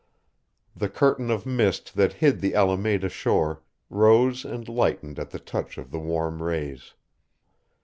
The curtain of mist that hid the Alameda shore rose and lightened at the touch of the warm rays.